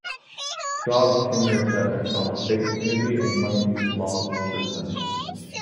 Straub's tenure as governor saw the state's energy and land use laws strengthened.